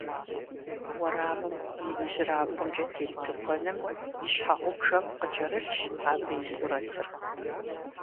Уэрамым и ижьрабгъумкӀэ тет тыкуэным и щхьэгъубжэм къыкӀэрылъщ абы и сурэтыр.